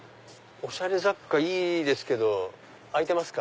おしゃれ雑貨いいですけど開いてますか？